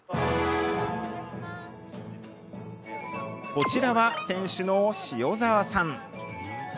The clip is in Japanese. こちらは店主の塩沢さん。